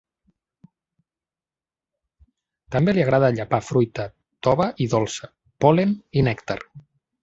També li agrada llepar fruita tova i dolça, pol·len i nèctar.